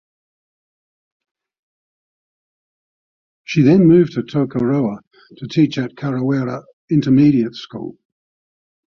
She then moved to Tokoroa to teach at Kawerau Intermediate School.